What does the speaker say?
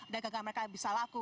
dan gagal mereka bisa laku